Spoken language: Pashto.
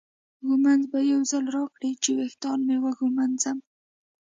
ږومنځ به یو ځل راکړې چې ویښتان مې وږمنځم.